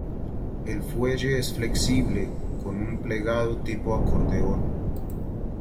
El fuelle es flexible, con un plegado tipo acordeón.